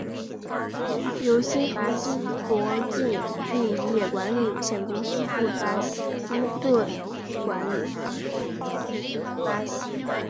由新恒基国际物业管理有限公司负责屋邨管理。